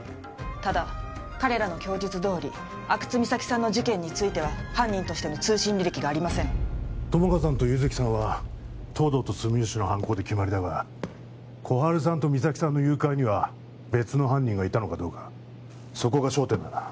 ただ彼らの供述どおり阿久津実咲さんの事件については犯人としての通信履歴がありません友果さんと優月さんは東堂と住吉の犯行で決まりだが心春さんと実咲さんの誘拐には別の犯人がいたのかどうかそこが焦点だな